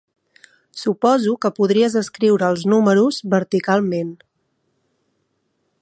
Suposo que podries escriure els números verticalment.